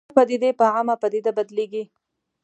دا پدیدې په عامه پدیده بدلېږي